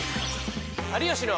「有吉の」。